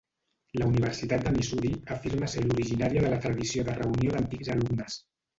La Universitat de Missouri afirma ser l'originària de la tradició de reunió d'antics alumnes.